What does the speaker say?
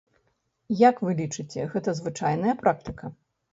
Як вы лічыце, гэта звычайная практыка?